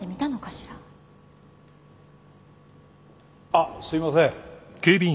あっすいません。